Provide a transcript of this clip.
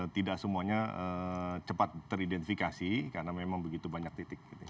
tidak semuanya cepat teridentifikasi karena memang begitu banyak titik